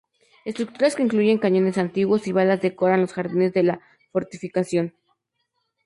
Estructuras que incluyen cañones antiguos y balas decoran los jardines de la fortificación.